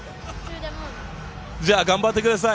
じゃあ、頑張ってください。